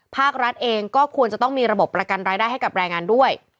ภาครัฐเองก็ควรจะต้องมีระบบประกันรายได้ให้กับแรงงานด้วย